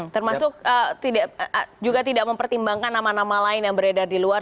termasuk juga tidak mempertimbangkan nama nama lain yang beredar di luar